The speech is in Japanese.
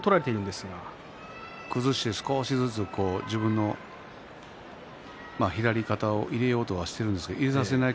崩して少しずつ自分の左肩を入れようとしているんですが入れさせない